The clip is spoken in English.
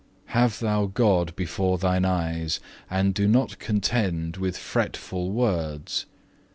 Have thou God before thine eyes, and do not contend with fretful words.